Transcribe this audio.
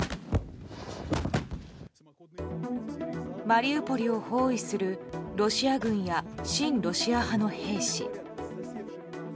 マリウポリを包囲するロシア軍や親ロシア派の兵士。